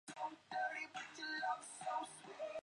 花纹爱洁蟹为扇蟹科熟若蟹亚科爱洁蟹属的动物。